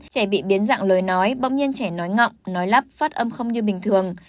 trẻ bị biến dạng lời nói bỗng nhiên trẻ nói ngọng nói lắp phát âm không như bình thường